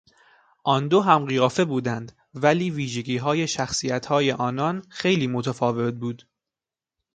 آن دو هم قیافه بودند ولی ویژگیهای شخصیتهای آنان خیلی متفاوت بود.